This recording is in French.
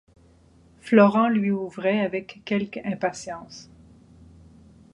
Florent lui ouvrait avec quelque impatience.